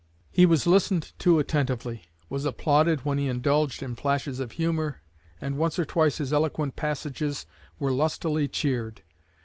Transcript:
He was listened to attentively; was applauded when he indulged in flashes of humor, and once or twice his eloquent passages were lustily cheered.